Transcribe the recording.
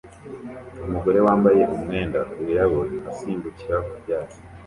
Umugore wambaye umwenda wirabura asimbukira ku byatsi